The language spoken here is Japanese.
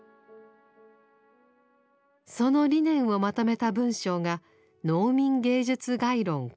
その理念をまとめた文章が「農民芸術概論綱要」です。